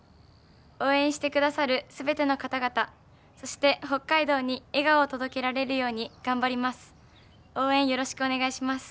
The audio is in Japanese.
応援してくださるすべての方々そして北海道に笑顔を届けられるように頑張ります。